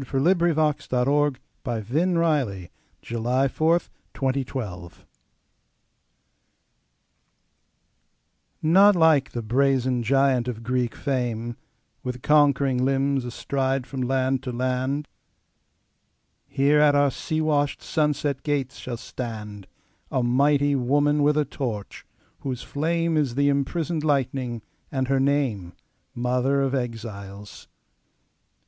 The Book of New York Verse. 1917. The New Colossus Emma Lazarus NOT like the brazen giant of Greek fame, With conquering limbs astride from land to land; Here at our sea washed, sunset gates shall standA mighty woman with a torch, whose flameIs the imprisoned lightning, and her nameMother of Exiles.